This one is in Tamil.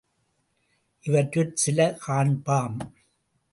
இவற்றுள் சில காண்பாம்.